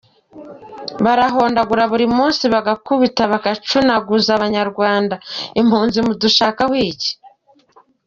Barahondagura buri munsi bagakubita bagacunaguza abanyarwanda impunzi mudushakaho iki?